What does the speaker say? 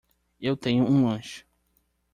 Eu tenho um lanche